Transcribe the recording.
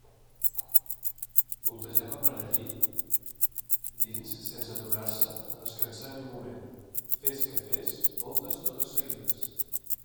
Voletejava per allí dins sense aturar-se a descansar ni un moment, fes que fes voltes totes seguides.